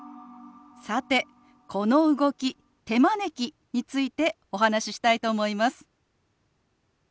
さてこの動き「手招き」についてお話ししたいと思います。